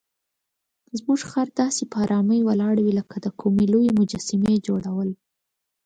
زموږ خر داسې په آرامۍ ولاړ وي لکه د کومې لویې مجسمې جوړول.